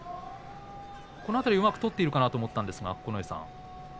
この辺りうまく取っているかなと思ったんですが、九重さん。